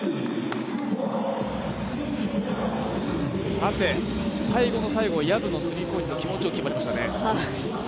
さて、最後の最後薮のスリーポイントが気持ちよく決まりましたね。